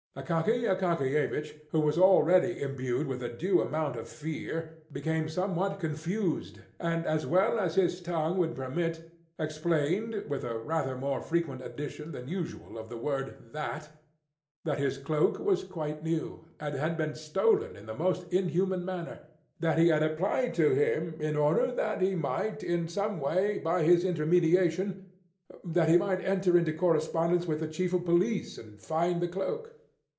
Akaky Akakiyevich, who was already imbued with a due amount of fear, became somewhat confused, and as well as his tongue would permit, explained, with a rather more frequent addition than usual of the word "that" that his cloak was quite new, and had been stolen in the most inhuman manner; that he had applied to him, in order that he might, in some way, by his intermediation that he might enter into correspondence with the chief of police, and find the cloak.